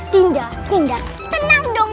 dinda dinda tenang dong